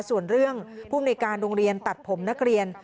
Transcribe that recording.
ส่วนเรื่องภูมิในการโรงเรียนตัดผมนักเรียน